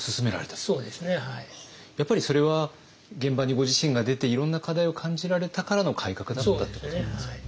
やっぱりそれは現場にご自身が出ていろんな課題を感じられたからの改革だったってことなんですかね。